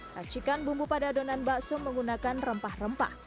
racikan bumbu pada adonan bakso menggunakan rempah rempah